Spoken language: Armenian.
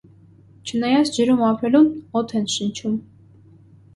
Չնայած ջրում ապրելուն՝ օդ են շնչում։